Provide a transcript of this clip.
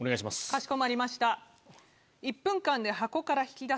かしこまりました。